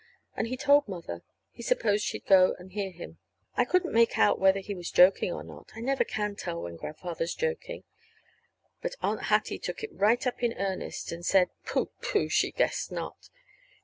And he told Mother he supposed she'd go and hear him. I couldn't make out whether he was joking or not. (I never can tell when Grandfather's joking.) But Aunt Hattie took it right up in earnest, and said, "Pooh, pooh," she guessed not.